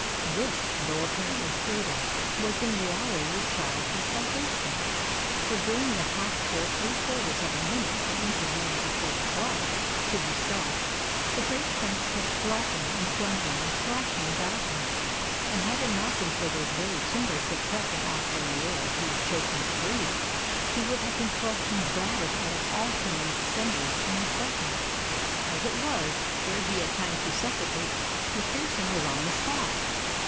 This, though apparently fatal, was in reality the child's salvation, for during the half or three quarters of a minute that intervened before the slides could be stopped, the great planks kept dropping and plunging and crashing about him; and had it not been for those very timbers that cut him off from the air he was choking to breathe, he would have been crushed and battered out of all human semblance in a second. As it was, ere he had time to suffocate, MacPherson was on the spot.